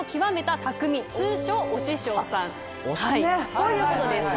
そういうことです。